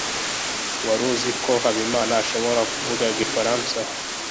wari uzi ko habimana ashobora kuvuga igifaransa